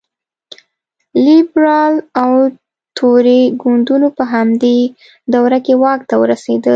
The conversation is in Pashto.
لېبرال او توري ګوندونو په همدې دوره کې واک ته ورسېدل.